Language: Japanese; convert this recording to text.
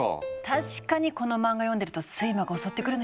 確かにこの漫画読んでると睡魔が襲ってくるのよね。